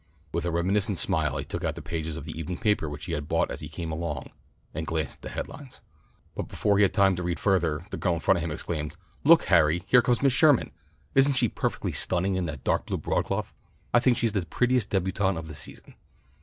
With a reminiscent smile he shook out the pages of the evening paper which he had bought as he came along and glanced at the head lines. But before he had time to read further the girl in front of him exclaimed, "Look, Harry! Here comes Miss Sherman! Isn't she perfectly stunning in that dark blue broadcloth? I think she's the prettiest débutante of the season."